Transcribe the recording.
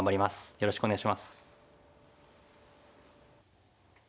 よろしくお願いします。